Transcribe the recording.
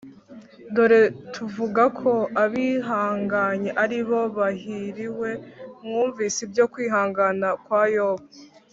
Dore tuvuga ko abihanganye ari bo bahiriwe Mwumvise ibyo kwihangana kwa Yobu